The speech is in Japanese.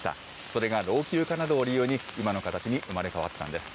それが老朽化などを理由に、今の形に生まれ変わったんです。